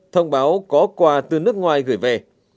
thông báo có quà từ nước ngoài gửi về